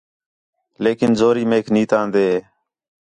لیکن زوری میک نیتاندین